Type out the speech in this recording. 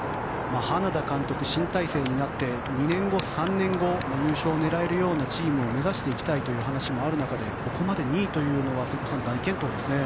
花田監督、新体制になって２年後、３年後優勝を狙えるようなチームを目指していきたいという話もある中で、ここまで２位というのは大健闘ですね。